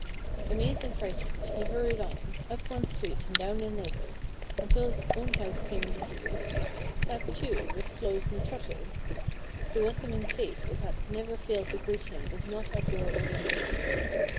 "Amazed and frightened, he hurried on, up one street and down another, until his own house came into view. That, too, was closed and shuttered. The welcoming face that had never failed to greet him was not at door or window.